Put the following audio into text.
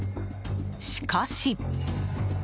しかし。